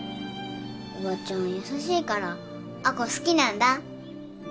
おばちゃん優しいから亜子好きなんだ。